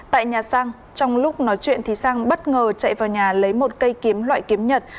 tại nhà sang trong lúc nói chuyện thì sang bất ngờ chạy vào nhà lấy một cây kiếm loại kiếm nhật